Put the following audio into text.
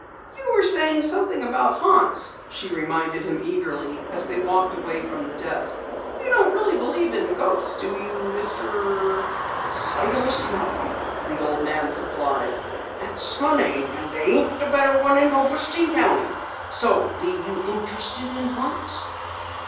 "You were saying something about haunts," she reminded him eagerly as they walked away from the desk. "You don't really believe in ghosts do you, Mister " "Silas Malcom," the old man supplied. "That's my name and there ain't a better one in Hobostein County. So you be interested in haunts?"